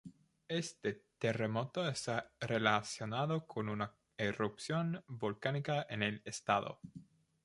Éste terremoto está relacionado con una erupción volcánica en el estado.